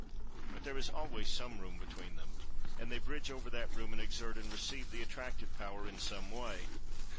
But there is always some room between them, and they bridge over that room and exert and receive the attractive power in some way.